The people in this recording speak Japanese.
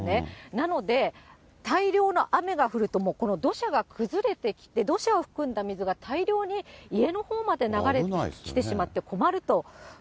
なので、大量の雨が降るともうこの土砂が崩れてきて、土砂を含んだ水が大量に家のほうまで流れてきてしまって困ると。